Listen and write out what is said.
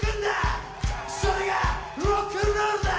それがロックンロールだ！